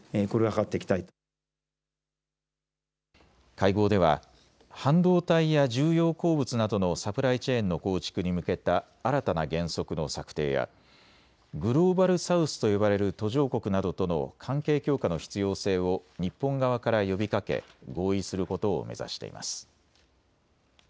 会合では半導体や重要鉱物などのサプライチェーンの構築に向けた新たな原則の策定やグローバル・サウスと呼ばれる途上国などとの関係強化の必要性を日本側から呼びかけ合意することを目指しています。